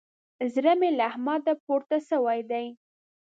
زړه مې له احمده پورته سوی دی.